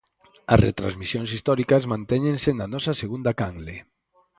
As retransmisións históricas mantéñense na nosa segunda canle.